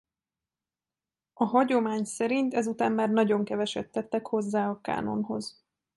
A hagyomány szerint ezután már nagyon keveset tettek hozzá a kánonhoz.